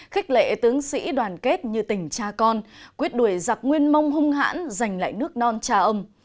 khích lệ tướng sĩ đoàn kết như tình cha con quyết đuổi giặc nguyên mông hung hãn dành lại nước non cha ông